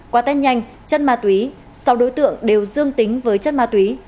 quả tang nhanh chất ma túy sáu đối tượng đều dương tính với chất ma túy